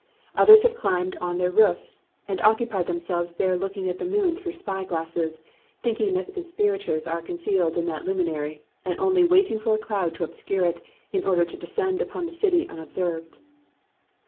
Others have climbed on to their roofs, and occupy themselves there looking at the moon through spy glasses, thinking that the conspirators are concealed in that luminary, and only waiting for a cloud to obscure it, in order to descend upon the city unobserved."